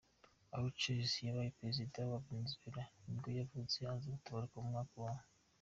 Hugo Chavez, wabaye perezida wa Venezuela nibwo yavutse aza gutabaruka mu mwaka w’.